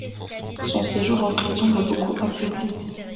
Son séjour en prison l'a beaucoup affaibli.